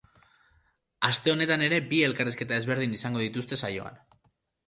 Aste honetan ere bi elkarrizketa ezberdin izango dituzte saioan.